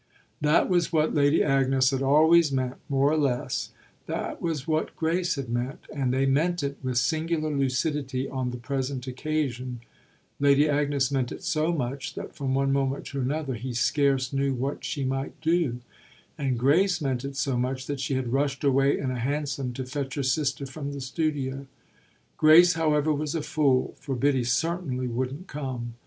That was what Lady Agnes had always meant, more or less, that was what Grace had meant, and they meant it with singular lucidity on the present occasion, Lady Agnes meant it so much that from one moment to another he scarce knew what she might do; and Grace meant it so much that she had rushed away in a hansom to fetch her sister from the studio. Grace, however, was a fool, for Biddy certainly wouldn't come.